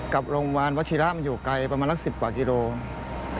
กับโรงพยาบาลวัชิระมันอยู่ไกลประมาณสัก๑๐กว่ากิโลกรัม